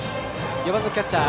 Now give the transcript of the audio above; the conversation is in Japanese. ４番のキャッチャー